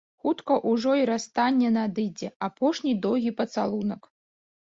Хутка ўжо й расстанне надыдзе, апошні доўгі пацалунак.